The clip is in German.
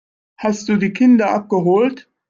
Hast du die Kinder abgeholt.